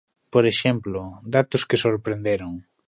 Por exemplo, datos que sorprenderon.